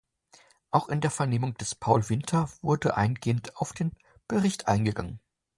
Auch in der Vernehmung des Paul Winter wurde eingehend auf den Bericht eingegangen.